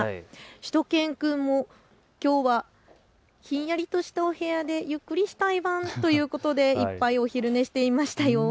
しゅと犬くんもきょうはひんやりとしたお部屋でゆっくりしたいワンということでいっぱいお昼寝していましたよ。